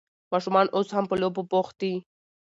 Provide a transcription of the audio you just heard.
ماشومان اوس هم په لوبو کې بوخت دي.